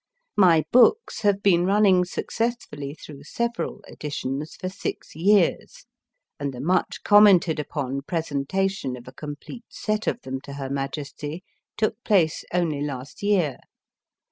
My books have been running successfully through several editions for six years, and the much commented upon presentation of a complete set of them to Her Majesty took place only last year.